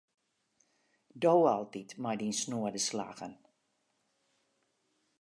Do altyd mei dyn snoade slaggen.